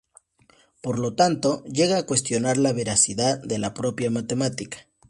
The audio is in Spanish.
Por lo tanto, llega a cuestionar la veracidad de la propia matemática.